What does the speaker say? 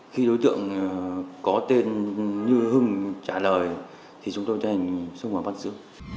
khi đối tượng có tên như hưng trả lời thì chúng tôi tiến hành xung quanh bắt giữ